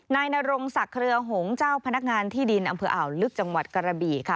นายนรงศักดิ์เครือหงษ์เจ้าพนักงานที่ดินอำเภออ่าวลึกจังหวัดกระบี่ค่ะ